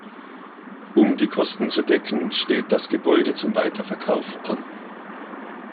Um die Kosten zu decken steht das Gebäude zum Weiterverkauf an.